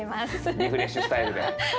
リフレッシュスタイルで。